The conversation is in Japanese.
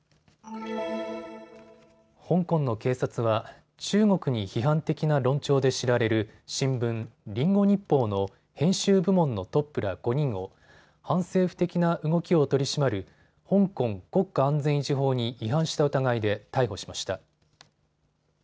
香港の警察は中国に批判的な論調で知られる新聞、リンゴ日報の編集部門のトップら５人を反政府的な動きを取り締まる香港国家安全維持法に違反した疑いで逮捕しました。